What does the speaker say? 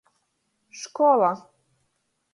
Škola.